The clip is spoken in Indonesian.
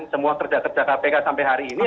semua kerja kerja kpk sampai hari ini